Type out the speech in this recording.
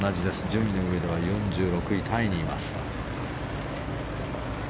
順位のうえでは４６位タイにいます。